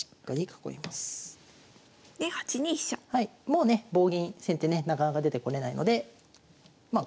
もうね棒銀先手ねなかなか出てこれないのでまあ